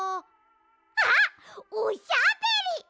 あっおしゃべり！